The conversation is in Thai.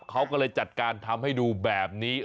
เขาก็เลยจัดการทำให้ดูแบบนี้